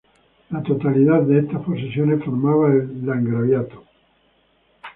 La totalidad de estas posesiones formaba el Landgraviato.